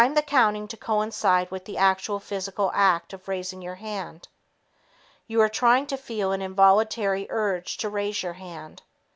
Time the counting to coincide with the actual physical act of raising your hand. You are trying to feel an involuntary urge to raise your hand.